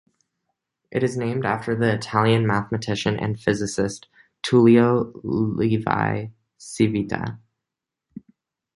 It is named after the Italian mathematician and physicist Tullio Levi-Civita.